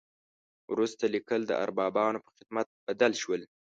وروسته لیکل د اربابانو په خدمت بدل شول.